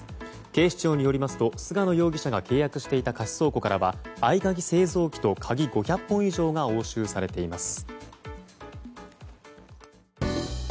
警視庁によりますと菅野容疑者が契約していた貸倉庫からは合鍵製造機と鍵５００本以上が押収されています。